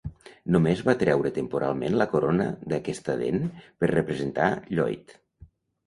Només va treure temporalment la corona d'aquesta dent per representar Lloyd.